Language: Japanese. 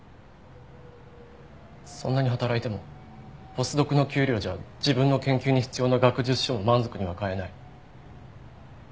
そんなに働いてもポスドクの給料じゃ自分の研究に必要な学術書も満足には買えない。